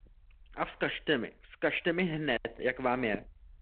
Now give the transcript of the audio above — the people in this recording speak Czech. A vzkažte mi, vzkažte mi hned, jak vám je!